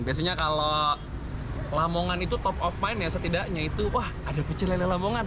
biasanya kalau lamongan itu top of mind ya setidaknya itu wah ada pecelele lamongan